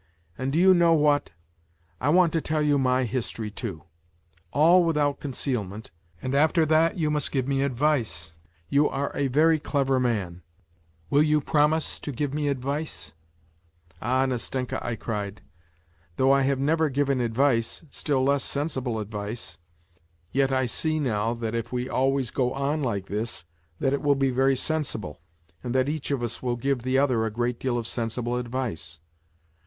And do you know what ? I want to tell you my history too, all without conceal ment, and after that you must give me advice. You are a very clever man ; will you promise to give me advice ?"" Ah, Nastenka," I cried, " though I have never given advice, still less sensible advice, yet I see now that if we always go on like this that it will be very sensible, and that each of us will give the other a great deal of sensible advice